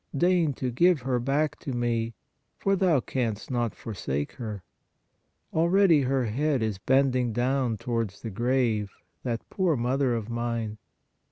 Deign to give her back to me, for thou canst not forsake her. Al ready her head is bending down towards the grave, that poor mother of mine.